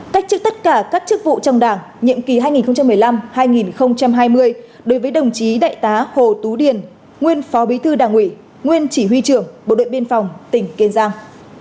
cách chức tất cả các chức vụ trong đảng nhiệm kỳ hai nghìn một mươi năm hai nghìn hai mươi đối với đồng chí đại tá hồ tú điền nguyên phó bí thư đảng ủy nguyên chỉ huy trưởng bộ đội biên phòng tỉnh kiên giang